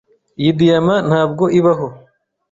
Iyi diyama ntabwo ibaho.